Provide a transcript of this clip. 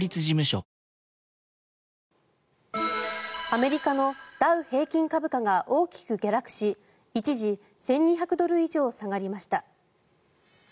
アメリカのダウ平均株価が大きく下落し一時、１２００ドル以上下がりました。